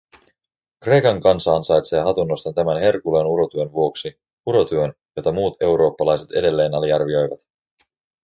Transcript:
Kreikan kansa ansaitsee hatunnoston tämän Herkuleen urotyön vuoksi, urotyön, jota muut eurooppalaiset edelleen aliarvioivat.